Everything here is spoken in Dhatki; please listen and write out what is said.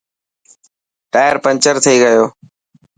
ٽائر پنچر ٿي گيو.